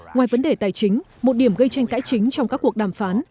ngoài vấn đề tài chính một điểm gây tranh cãi chính trong các cuộc đàm phán